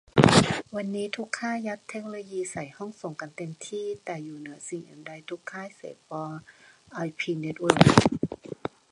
วันนี้ทุกค่ายัดเทคโนโลยีใส่ห้องส่งกันเต็มที่ แต่อยู่เหนืออื่นใดทุกค่ายเปสออนไอพีเน็ตเวิร์ก